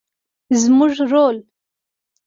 زموږ رول